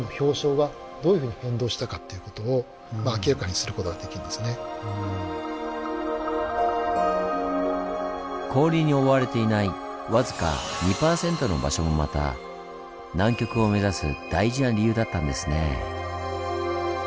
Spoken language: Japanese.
実はでも氷に覆われていないわずか２％の場所もまた南極を目指す大事な理由だったんですね。